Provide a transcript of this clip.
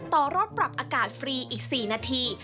ต่อรถปรับอากาศฟรีอีก๔นาที